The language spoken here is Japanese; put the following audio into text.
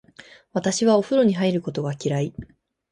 私はお風呂に入ることが嫌い。